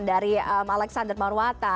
dari alexander marwata